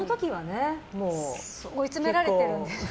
追い詰められてるので。